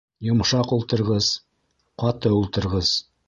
Йомшаҡ ултырғыс. Ҡаты ултырғыс